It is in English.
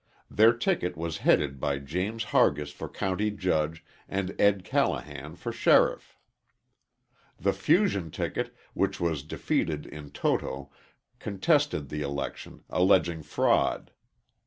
Their ticket was headed by James Hargis for county judge and Ed. Callahan for sheriff. The fusion ticket, which was defeated in toto, contested the election, alleging fraud.